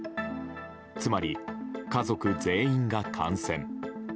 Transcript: つまり家族全員が感染。